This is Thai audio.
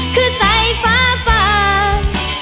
คือใส่ฟ้าฝาก